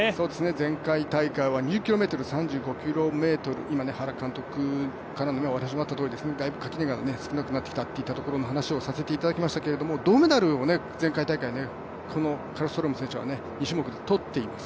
前回大会は２０ｋｍ、３５ｋｍ、今、原監督からお話のあったとおりだいぶ垣根が少なくなってきたというところの話をさせていただきましたけど銅メダルをカルストローム選手は２種目でとっています。